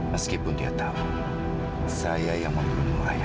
meskipun dia tahu saya yang memperluankannya